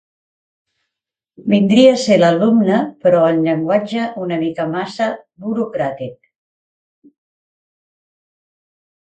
Vindria a ser l'alumne però en llenguatge una mica massa burocràtic.